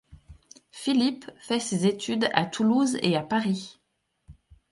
Philippe fait ses études à Toulouse et à Paris.